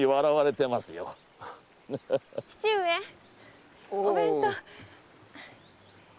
父上お弁当。